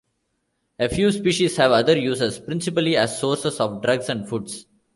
A few species have other uses, principally as sources of drugs and foods.